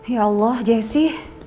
ya allah jessy